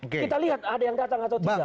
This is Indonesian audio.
kita lihat ada yang datang atau tidak